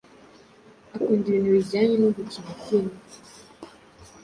akunda ibintu bijyanye no gukina Filime,